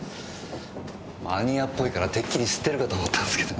マニアっぽいからてっきり知ってるかと思ったんすけどね。